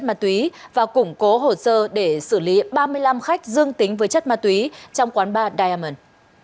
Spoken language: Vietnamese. ma túy và củng cố hồ sơ để xử lý ba mươi năm khách dương tính với chất ma túy trong quán bar diamon